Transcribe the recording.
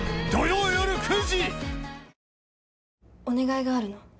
お願いがあるの。